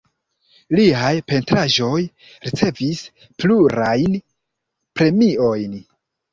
Liaj pentraĵoj ricevis plurajn premiojn.